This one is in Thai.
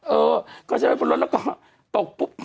เออก็ใช้ไว้บนรถแล้วก็ตกปุ๊บ